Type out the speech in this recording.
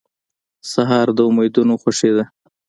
سهار د امیدونو خوښي ده.